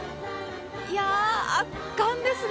いやー、圧巻ですね。